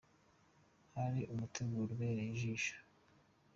hari umuteguro ubereye ijisho.